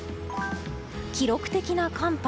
記録的な寒波。